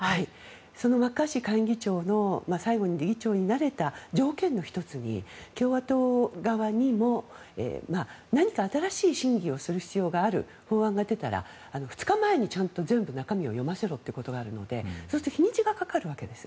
そのマッカーシー下院議長の最後、議長になれた条件の１つに共和党側にも何か新しい審議をする必要がある法案が出たら２日前にちゃんと全部中身を読ませろということがあるので日にちがかかるわけです。